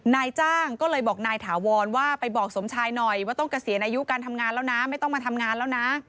นายจ้างก็เลยบอกนายถาวรว่าไปบอกสมชายหน่อยว่าต้องเกษียณอายุการทำงานแล้วนะไม่ต้องมาทำงานแล้วนะ